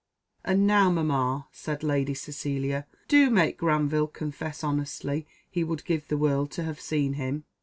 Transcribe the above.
"And now, mamma," said Lady Cecilia, "do make Granville confess honestly he would give the world to have seen him."